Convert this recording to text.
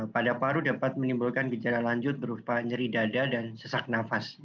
pada paru dapat menimbulkan gejala lanjut berupa nyeri dada dan sesak nafas